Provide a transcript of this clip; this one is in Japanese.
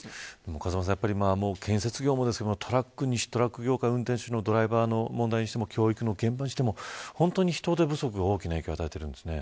風間さん、建設業もですがトラック業界、運転手のドライバーの問題にしても教育の現場にしても、人手不足が大きな影響を与えてるんですね。